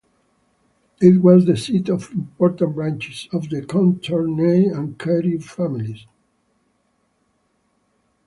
It was the seat of important branches of the Courtenay and Carew families.